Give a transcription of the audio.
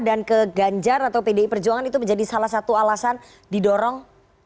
dan ke ganjar atau pdi perjuangan itu menjadi salah satu alasan didorong